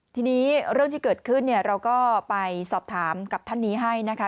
ทีนี้เรื่องที่เกิดขึ้นเนี่ยเราก็ไปสอบถามกับท่านนี้ให้นะคะ